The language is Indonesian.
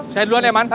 saya duluan ya man